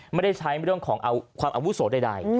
ไม่ได้ใช้เรื่องของความอาวุโสใด